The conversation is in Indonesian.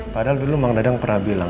padahal dulu bang dadang pernah bilang